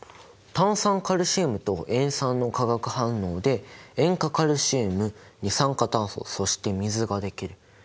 炭酸カルシムと塩酸の化学反応で塩化カルシウム二酸化炭素そして水ができる。